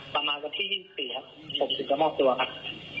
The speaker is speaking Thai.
ประมาณวันที่๒๔ครับผมถึงจะมอบตัวครับ